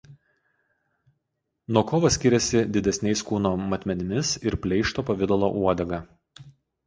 Nuo kovo skiriasi didesniais kūno matmenimis ir pleišto pavidalo uodega.